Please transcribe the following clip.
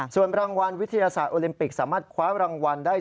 ส่วนรางวัลวิทยาศาสตร์โอลิมปิกสามารถคว้ารางวัลได้